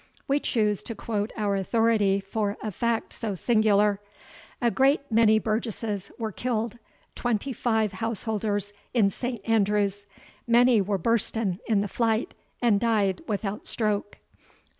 [We choose to quote our authority for a fact so singular: "A great many burgesses were killed twenty five householders in St. Andrews many were bursten in the flight, and died without stroke."